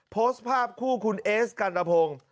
โพสต์ภาพคู่คุณเอสกัณพงศ์